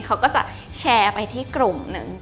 เขาก็จะแชร์ไปที่กลุ่มหนึ่ง